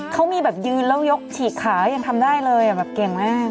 เขามีแบบยืนแล้วยกฉีกขายังทำได้เลยแบบเก่งมาก